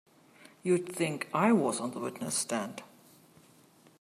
You'd think I was on the witness stand!